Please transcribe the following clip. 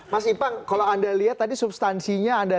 mas ipang kalau anda lihat tadi substansinya anda